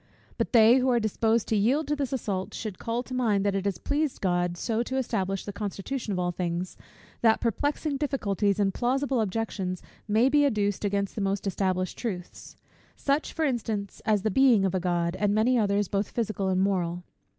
But they, who are disposed to yield to this assault, should call to mind, that it has pleased God so to establish the constitution of all things, that perplexing difficulties and plausible objections may be adduced against the most established truths; such, for instance, as the being of a God, and many others both physical and moral.